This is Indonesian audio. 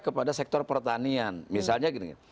kepada sektor pertanian misalnya